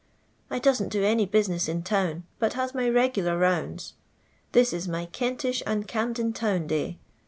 I doom*! do any bwiness in town, but has my regular rounds. ThU is my Kentish and Camden town day.